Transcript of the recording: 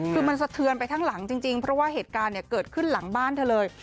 คือมันสะเทือนไปทั้งหลังจริงเพราะว่าเหตุการณ์เกิดขึ้นหลังบ้านเธอเลย